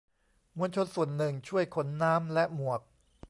มวลชนส่วนหนึ่งช่วยขนน้ำและหมวก